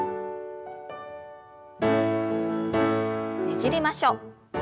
ねじりましょう。